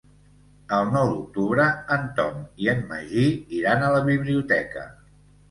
El nou d'octubre en Tom i en Magí iran a la biblioteca.